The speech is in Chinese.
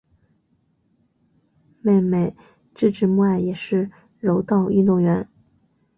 妹妹志志目爱也是柔道运动员。